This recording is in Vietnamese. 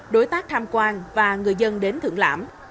đối tác tham quan và người dân đến thưởng lãm